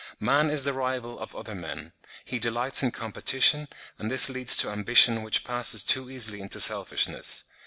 Man is the rival of other men; he delights in competition, and this leads to ambition which passes too easily into selfishness.